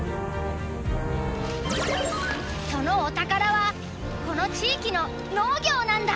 そのお宝はこの地域の農業なんだ。